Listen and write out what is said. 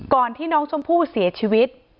ที่น้องชมพู่เสียชีวิต